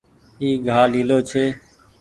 اي گآه ليلو ڇي۔